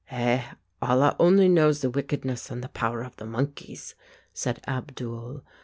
"Eh, Allah only knows the wickedness and the power of the monkeys," said Abdul.